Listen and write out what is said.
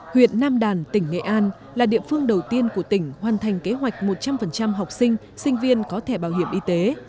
huyện nam đàn tỉnh nghệ an là địa phương đầu tiên của tỉnh hoàn thành kế hoạch một trăm linh học sinh sinh viên có thẻ bảo hiểm y tế